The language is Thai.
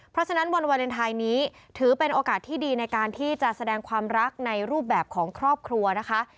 เพราะฉะนั้นวันวาเลนไทยนี้ถือเป็นโอกาสที่ดีในการที่จะแสดงความรักในรูปแบบของครอบครัวนะคะ